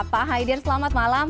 pak haidir selamat malam